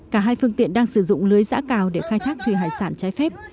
cả hai phương tiện đang sử dụng lưới giã cào để khai thác thủy hải sản trái phép